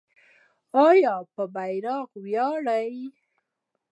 آیا په بیرغ ویاړو؟